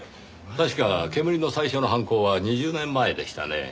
確かけむりの最初の犯行は２０年前でしたねぇ。